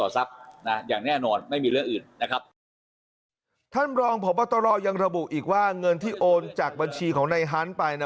ท่านรองพบตรยังระบุอีกว่าเงินที่โอนจากบัญชีของในฮันต์ไป